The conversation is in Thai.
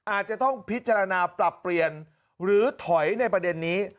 อาจจะต้องพิจารณาปรับเปลี่ยนหรือถอยในประเด็นนี้